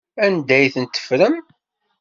Anda ay tent-teffrem?